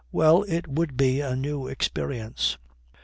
Well I It would be a new experience."